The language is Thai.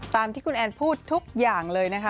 ตามที่คุณแอนพูดทุกอย่างเลยนะคะ